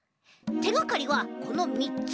てがかりはこのみっつ。